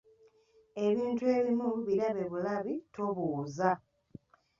Ebintu ebimu birabe bulabi tobuuza.